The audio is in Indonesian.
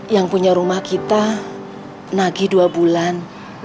yang punya rumah kita nagih dua bulan